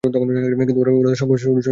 কিন্তু ওরা সংখ্যায় কত তা দেখতে পাচ্ছি না।